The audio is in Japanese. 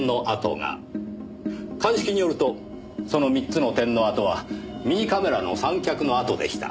鑑識によるとその３つの点の跡はミニカメラの三脚の跡でした。